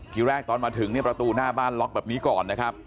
ทีแรกตอนมาถึงเนี่ยประตูหน้าบ้านล็อกแบบนี้ก่อนนะครับ